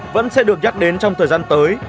vẫn sẽ được dắt đến trong thời gian tới